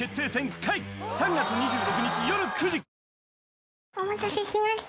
あお待たせしました